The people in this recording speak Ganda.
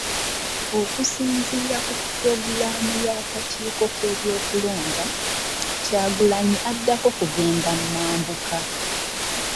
Okusinziira ku pulogulaamu y'akakiiko k'ebyokulonda, Kyagulanyi addako kugenda mu mambuka .